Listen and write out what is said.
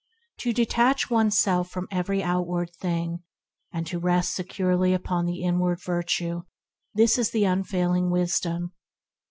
To detach oneself from every outward thing, and to rest securely upon the inward Virtue, this is the Unfailing Wisdom.